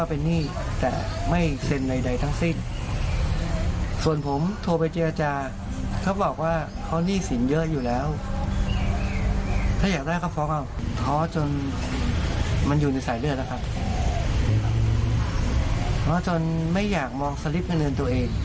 เพราะจนไม่อยากมองสลิปเงินตัวเอง